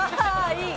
いい！